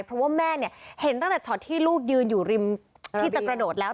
เพราะว่าแม่เนี่ยเห็นตั้งแต่ช็อตที่ลูกยืนอยู่ริมที่จะกระโดดแล้ว